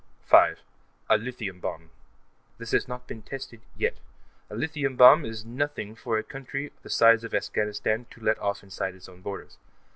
5.) A lithium bomb. This has not been tested, yet. A lithium bomb is nothing for a country the size of Afghanistan to let off inside its own borders.